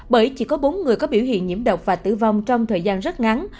bởi chỉ có bốn người có biểu hiện nhiễm độc và tử vong trong thời gian rất ngắn